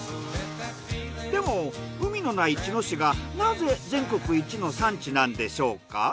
でも海のない茅野市がなぜ全国一の産地なんでしょうか？